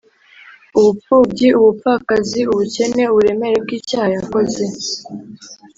ubupfubyi, ubupfakazi, ubukene, uburemere bw’icyaha yakoze